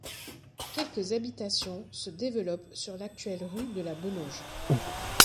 Quelques habitations se développent sur l'actuelle rue de la Benauge.